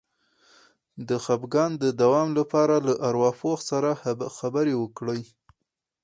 د خپګان د دوام لپاره له ارواپوه سره خبرې وکړئ